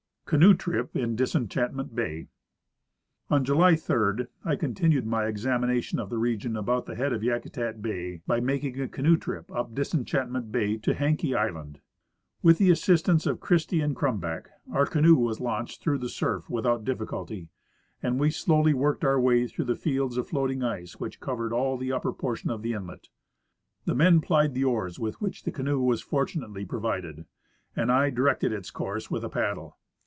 Canoe Trip in Disenchantment Bay. On July 3, I continued my examination of the region about the head of Yakutat bay by making a canoe trip up Disenchant ment Imy to Haenke island. With the assistance of Christie and Crumback, our canoe was launched through the surf without difficulty, and we slowly worked our way through the fields of floating ice which covered all the upper portion of the inlet. The men plied the oars with which the canoe was fortunately provided, Avhile I directed its course with a paddle.